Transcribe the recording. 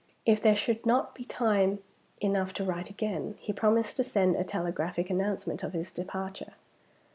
If there should not be time enough to write again, he promised to send a telegraphic announcement of his departure.